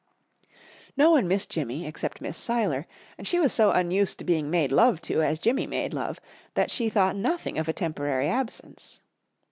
No one missed Jimmy, except Miss Seiler, and she was so unused to being made love to as Jimmy made love that she thought nothing of a temporary absence.